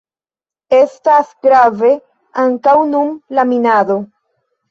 Estas grave ankaŭ nun la minado.